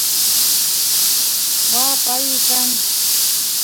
waa payu kan